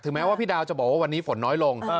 แม้ว่าพี่ดาวจะบอกว่าวันนี้ฝนน้อยลง